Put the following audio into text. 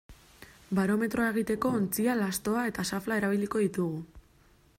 Barometroa egiteko ontzia, lastoa eta xafla erabiliko ditugu.